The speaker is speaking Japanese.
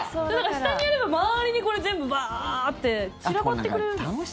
下にやれば、周りに全部バーッて散らばってくれる。